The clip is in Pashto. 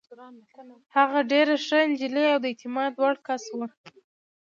هغه ډېره ښه نجلۍ او د اعتماد وړ کس وه.